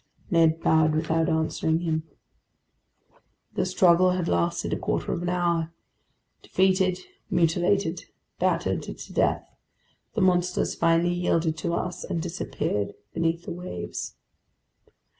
Ned bowed without answering him. This struggle had lasted a quarter of an hour. Defeated, mutilated, battered to death, the monsters finally yielded to us and disappeared beneath the waves.